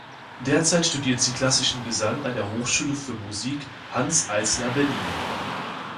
Derzeit studiert sie klassischen Gesang an der Hochschule für Musik Hanns Eisler Berlin.